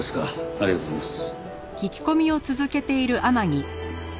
ありがとうございます。